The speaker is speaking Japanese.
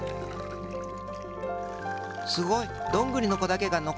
すごい！どんぐりのこだけがのこった。